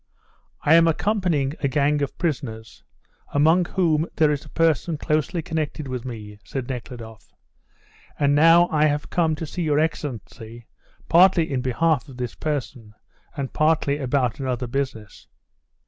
"I am accompanying a gang of prisoners, among whom there is a person closely connected with me, said Nekhludoff, and now I have come to see your Excellency partly in behalf of this person, and partly about another business."